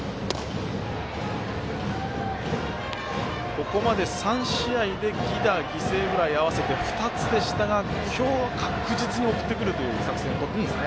ここまで３試合で犠打犠牲フライ合わせて２つでしたが今日は確実に送ってくるという作戦をとっています。